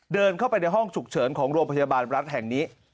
เดินเข้าไปในห้องฉุกเฉินของโรงพยาบาลรัฐแห่งนี้